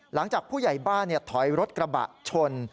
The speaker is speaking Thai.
หลังจากผู้ใหญ่บ้านถอยรถกระบะชน